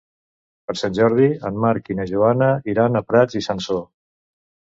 Per Sant Jordi en Marc i na Joana iran a Prats i Sansor.